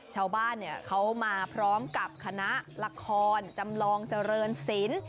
ชาวบ้านเขามาพร้อมกับคณะละครจำลองเจริญศิลป์